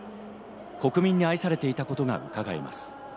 国民に愛されていたことがうかがえます。